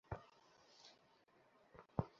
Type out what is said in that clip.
আমি চাই, তুমি আমার সাথে থাকার সিদ্ধান্ত নাও।